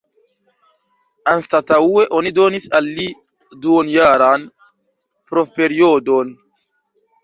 Anstataŭe oni donis al li duonjaran provperiodon.